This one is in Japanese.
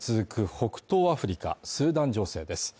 北東アフリカ・スーダン情勢です。